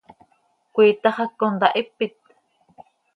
¿Cöiitax hac contahipit?